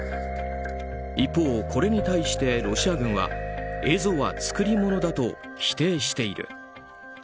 一方、これに対してロシア軍は映像は作り物だと否定している。